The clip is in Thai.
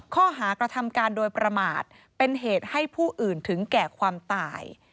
ข้อหากระทำการโดยประมาทเป็นเหตุให้ผู้อื่นถึงแก่ความตาย